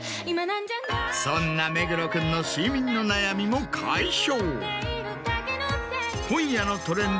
そんな目黒君の睡眠の悩みも解消。